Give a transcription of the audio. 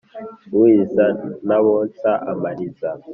Uriza n'abonsa amariza